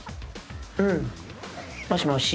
うんもしもし？